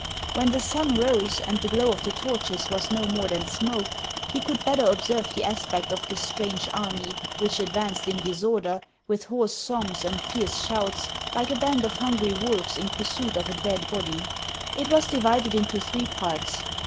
When the sun rose, and the glow of the torches was no more than smoke, he could better observe the aspect of this strange army, which advanced in disorder, with hoarse songs and fierce shouts, like a band of hungry wolves in pursuit of a dead body. It was divided into three parts.